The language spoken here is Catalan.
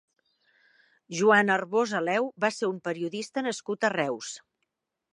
Joan Arbós Aleu va ser un periodista nascut a Reus.